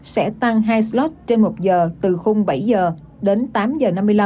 sẽ tăng hai slot trên một giờ từ khung bảy giờ đến tám giờ năm mươi năm